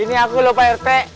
ini aku lupa rt